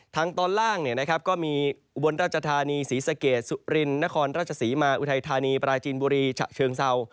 ทางตอนล่างก็มีอุบลราชธานีศรีสะเกดสุรินนครราชศรีมาอุทัยธานีปราจีนบุรีฉะเชิงเศร้า